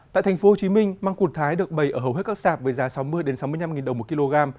tại tp hcm măng cụt thái được bày ở hầu hết các sạp với giá sáu mươi sáu mươi năm đồng một kg